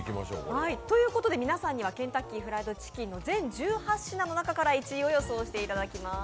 皆さんにはケンタッキーフライドチキンの全１８品の中から１位を予想していただきます。